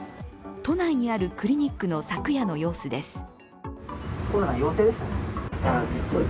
都内にあるクリニックの昨夜の様子です。